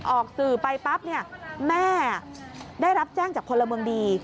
ออกสื่อไปปั๊บเนี่ยแม่ได้รับแจ้งจากพลเมืองดี